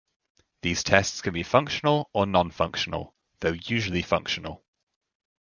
These tests can be functional or non-functional, though usually functional.